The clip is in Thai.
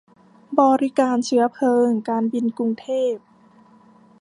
บริการเชื้อเพลิงการบินกรุงเทพ